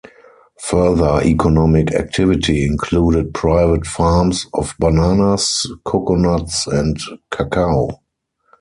Further economic activity included private farms of bananas, coconuts, and cacao.